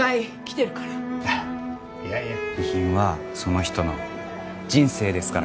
遺品はその人の人生ですから。